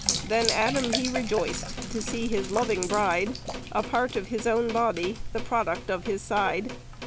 Then Adam he rejoiced To see his loving bride, A part of his own body, The product of his side.